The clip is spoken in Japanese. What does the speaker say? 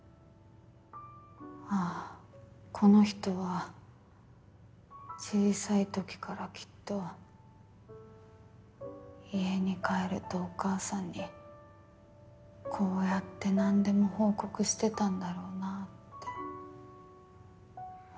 ああこの人は小さいときからきっと家に帰るとお母さんにこうやって何でも報告してたんだろうなって。